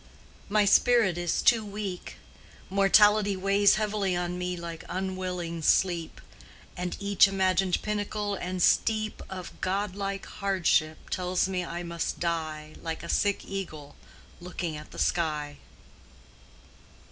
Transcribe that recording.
"My spirit is too weak; mortality Weighs heavily on me like unwilling sleep, And each imagined pinnacle and steep Of godlike hardship tells me I must die Like a sick eagle looking at the sky."